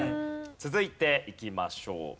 続いていきましょう。